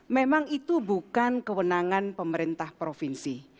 memang itu bukan kewenangan pemerintah provinsi